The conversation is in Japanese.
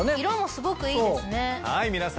色もすごくいいですね。